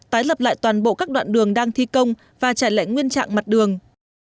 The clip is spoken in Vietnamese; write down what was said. tái lập lại toàn bộ các đoạn đường đang thi công và trải lệ nguyên trạng mặt đường